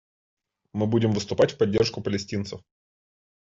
Мы будем выступать в поддержку палестинцев.